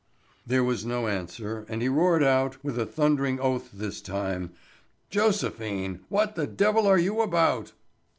There was no answer, and he roared out, with a thundering oath this time: "Joséphine, what the devil are you about?"